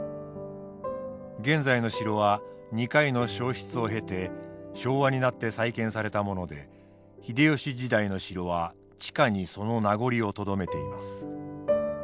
現在の城は２回の焼失を経て昭和になって再建されたもので秀吉時代の城は地下にその名残をとどめています。